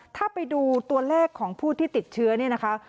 ถ้าไปดูตัวเลขของผู้ที่ติดเชื้อเนี่ยนะคะ